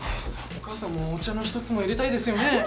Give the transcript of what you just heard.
お母さんもお茶の一つも入れたいですよね？